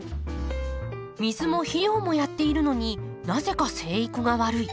水も肥料もやっているのになぜか生育が悪い。